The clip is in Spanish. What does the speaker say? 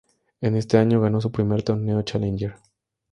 En este año ganó su primer torneo challenger.